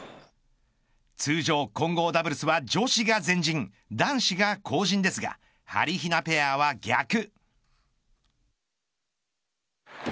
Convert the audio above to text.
通常、混合ダブルスは女子が前陣、男子が後陣ですがはりひなペアは逆。